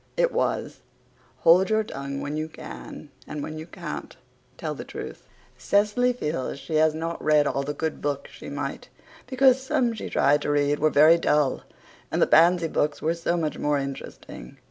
It was, "Hold your tongue when you can, and when you can't tell the truth." Cecily feels she has not read all the good books she might, because some she tried to read were very dull and the Pansy books were so much more interesting.